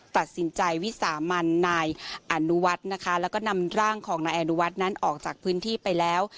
ตัดสินใจวิสามันนายอนุวัฒน์นะคะแล้วก็นำร่างของนายอนุวัฒน์นั้นออกจากพื้นที่ไปแล้ว